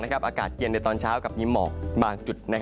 อากาศเย็นในตอนเช้ากับมีหมอกบางจุด